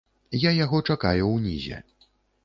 Я яго чакаю ўнізе.